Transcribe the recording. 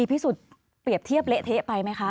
เปรียบเทียบเละเทะไปไหมคะ